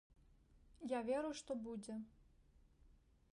Я веру, што будзе.